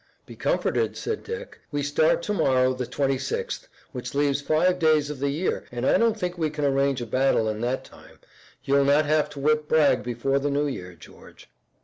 "Be comforted," said Dick. "We start to morrow, the 26th, which leaves five days of the year, and I don't think we can arrange a battle in that time. You'll not have to whip Bragg before the New Year, George."